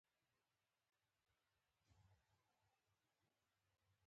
په نولس سوه اته اویا کال کې د اقتصادي اصلاحاتو اصول وړاندې کړل.